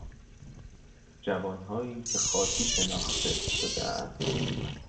جوانهایی که خاطی شناخته شدهاند